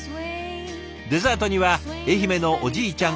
デザートには愛媛のおじいちゃん